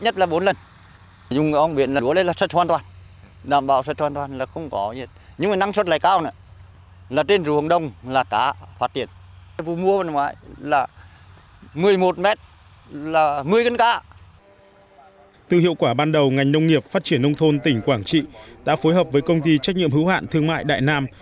từ hiệu quả ban đầu ngành nông nghiệp phát triển nông thôn tỉnh quảng trị đã phối hợp với công ty trách nhiệm hữu hạn thương mại đại nam